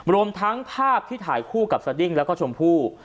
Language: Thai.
รวมทั้งภาพที่ถ่ายคู่กับสดิ้งแล้วก็ชมพู่